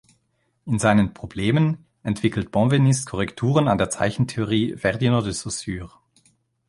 In seinen "Problemen" entwickelt Benveniste Korrekturen an der Zeichentheorie Ferdinand de Saussures.